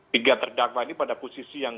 tiga terdakwa ini pada posisi yang